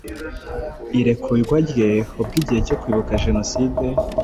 irekurwa rye ubwo igihe cyo kwibuka jenoside